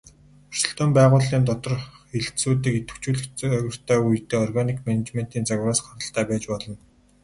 Өрсөлдөөн байгууллын доторх хэлтсүүдийг идэвхжүүлэх загвартай үедээ органик менежментийн загвараас гаралтай байж болно.